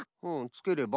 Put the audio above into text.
つければ？